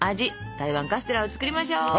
台湾カステラを作りましょう。